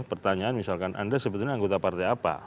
pertanyaan misalkan anda sebetulnya anggota partai apa